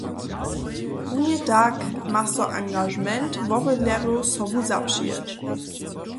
Runje tak ma so angažement wobydlerjow sobu zapřijeć.